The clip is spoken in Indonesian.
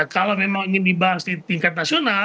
kalau memang ingin dibahas di tingkat nasional